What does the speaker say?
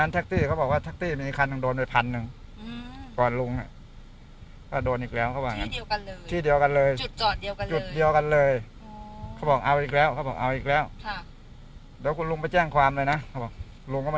อันนี้มากแต่เราเนี่ยดูนับนวดไปกว่าทุกค่ะ